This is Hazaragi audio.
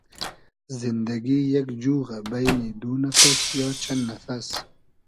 زیندئگی یئگ جوغۂ بݷنی دو نئفئس یا چئن نئفئس